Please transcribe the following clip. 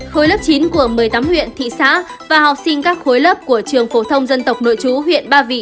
khối lớp chín của một mươi tám huyện thị xã và học sinh các khối lớp của trường phổ thông dân tộc nội chú huyện ba vì